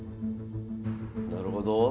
なるほど。